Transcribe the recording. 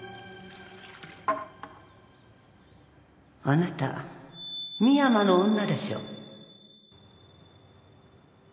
あなた深山の女でしょう？